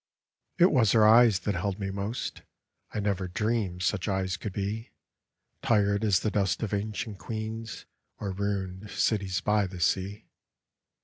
t«9] J A BALLAD It was her eyes that held me most — I never dreamed such eyes could be, Tired as the dust of ancient queens, Or ruined cities by the sea.